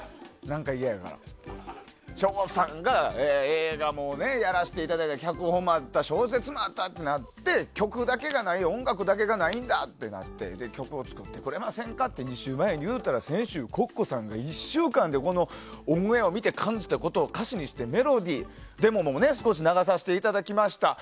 省吾さんが映画もやらしていただいた脚本もあった小説もあったってなって曲だけがない音楽だけがないんだってなって曲を作ってくれませんかって２週前に言ったら先週、Ｃｏｃｃｏさんが１週間でオンエアを見て感じたことを歌詞にしてメロディーデモを少し流させていただきました。